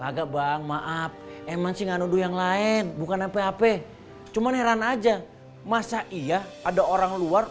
hai agak banget eman si ngannu yang lain bukan hp hp cuman heran aja masa iya ada orang luar